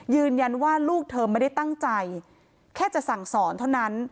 ยืนยันว่าลูกเธอไม่ได้ตั้งใจแค่จะสั่งสอนเท่านั้น